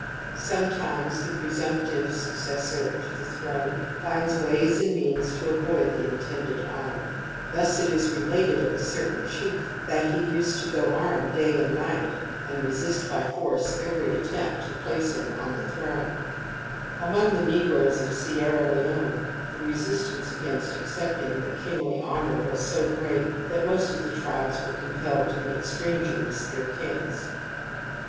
Sometimes the presumptive successor to the throne finds ways and means to avoid the intended honour ; thus it is related of a certain chief that he used to go armed day and night and resist by force every attempt to place him on the throne '*. Among the negroes of Sierra Leone the resistance against accepting the kingly honour was so great that most of the tribes were compelled to make strangers their kings.